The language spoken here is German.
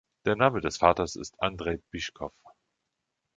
Der Name des Vaters ist Andrey Bychkov.